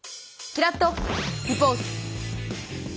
キラッとリポート！